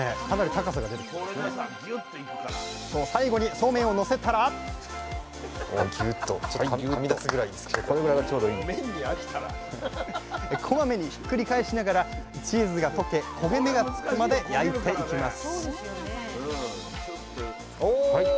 最後にそうめんをのせたらこまめにひっくり返しながらチーズが溶け焦げ目がつくまで焼いていきます